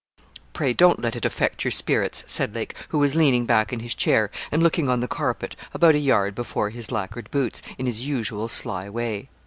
'Pray, don't let it affect your spirits,' said Lake, who was leaning back in his chair, and looking on the carpet, about a yard before his lacquered boots, in his usual sly way.